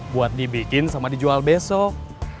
buat dibikin sama dijual besok